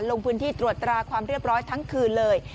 ลงพื้นที่ตรวจตราความเรียบร้อยทั้งคืนเลย